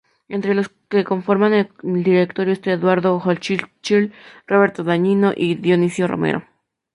Entre los que conforman el directorio están Eduardo Hochschild, Roberto Dañino y Dionisio Romero.